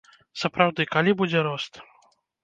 Сапраўды, калі будзе рост?